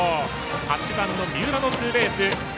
８番の三浦のツーベース。